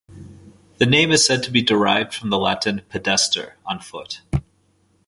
The name is said to be derived from the Latin "pedester" - on foot.